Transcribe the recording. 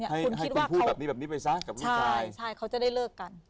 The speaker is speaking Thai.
ให้คุณพูดแบบนี้ไปซะเค้าจะได้เลิกกัน